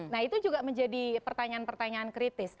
nah itu juga menjadi pertanyaan pertanyaan kritis